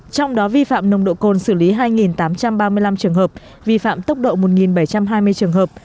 trong đó vi phạm nồng độ cồn xử lý hai tám trăm ba mươi năm trường hợp vi phạm tốc độ một bảy trăm hai mươi trường hợp